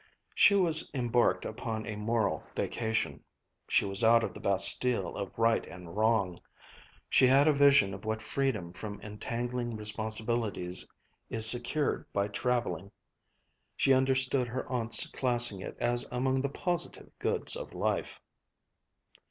She was embarked upon a moral vacation. She was out of the Bastile of right and wrong. She had a vision of what freedom from entangling responsibilities is secured by traveling. She understood her aunt's classing it as among the positive goods of life.